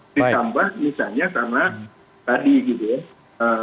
ditambah misalnya karena tadi gitu ya